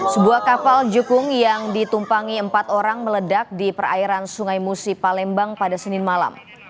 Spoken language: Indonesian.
sebuah kapal jukung yang ditumpangi empat orang meledak di perairan sungai musi palembang pada senin malam